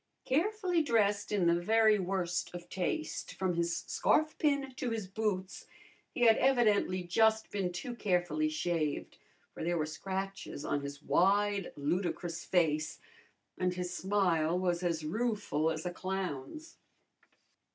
Carefully dressed in the very worst of taste from his scarfpin to his boots, he had evidently just been too carefully shaved, for there were scratches on his wide, ludicrous face, and his smile was as rueful as a clown's.